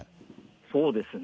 そうですね。